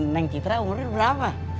neng citra umurnya berapa